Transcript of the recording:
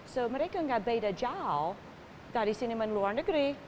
so mereka tidak beda jauh dari cinema di luar negeri